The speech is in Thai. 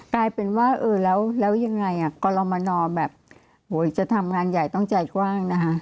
กลายเป็นว่าเออแล้วยังไงกรมนแบบจะทำงานใหญ่ต้องใจกว้างนะคะ